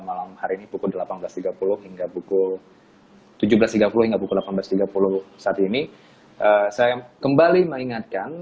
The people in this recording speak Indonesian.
malam hari ini pukul delapan belas tiga puluh hingga pukul tujuh belas tiga puluh hingga pukul delapan belas tiga puluh saat ini saya kembali mengingatkan